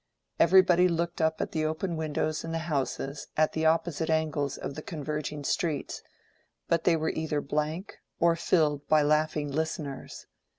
Everybody looked up at the open windows in the houses at the opposite angles of the converging streets; but they were either blank, or filled by laughing listeners.